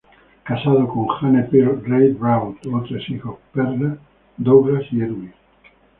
Casado con Jane Pearl Reid Bravo, tuvo tres hijos: Perla, Douglas y Edwin.